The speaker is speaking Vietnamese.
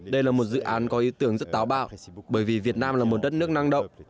đây là một dự án có ý tưởng rất táo bạo bởi vì việt nam là một đất nước năng động